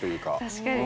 確かに。